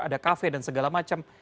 ada kafe dan segala macam